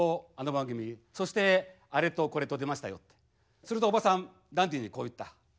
するとおばさんダンディにこう言った。